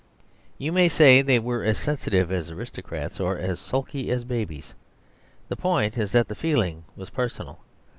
You may say they were as sensitive as aristocrats, or as sulky as babies; the point is that the feeling was personal.